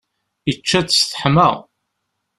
Ičča-tt, teḥma.